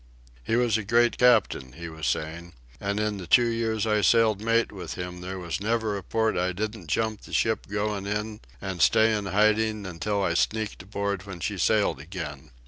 "He was a great captain," he was saying. "An' in the two years I sailed mate with him there was never a port I didn't jump the ship goin' in an' stay in hiding until I sneaked aboard when she sailed again."